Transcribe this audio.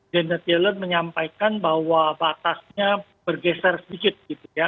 janet yellen menyampaikan bahwa batasnya bergeser sedikit gitu ya